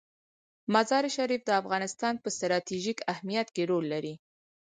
مزارشریف د افغانستان په ستراتیژیک اهمیت کې رول لري.